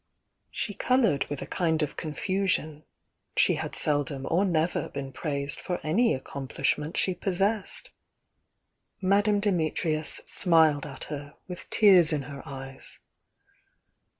She coloured with a kind of confusion, — she had seldom or never been praised for any accomplish ment she possessed. Madame Dimitrius smiled at her, with tears in her eyes.